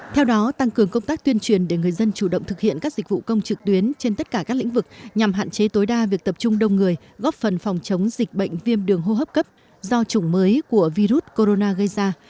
theo đó tăng cường công tác tuyên truyền để người dân chủ động thực hiện các dịch vụ công trực tuyến trên tất cả các lĩnh vực nhằm hạn chế tối đa việc tập trung đông người góp phần phòng chống dịch bệnh viêm đường hô hấp cấp do chủng mới của virus corona gây ra